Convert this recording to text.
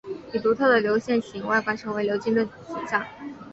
以独特的流线型外观成为流经的景象。